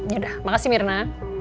yaudah makasih mirna